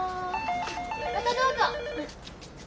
またどうぞ！